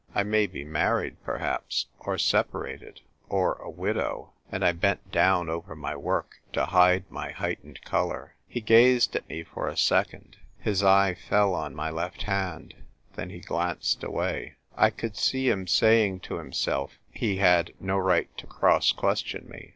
I may be married, perhaps — or separated — or a widow." And I bent down over my work to hide my heightened colour. He gazed at me for a second ; his eye fell on my left hand ; then he glanced away. CONCERNING ROMEO. I43 I could see him saying to himself he had no right to cross question me.